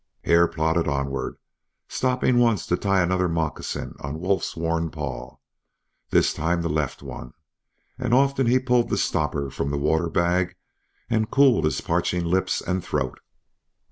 Hare plodded onward, stopping once to tie another moccasin on Wolf's worn paw, this time the left one; and often he pulled the stopper from the water bag and cooled his parching lips and throat.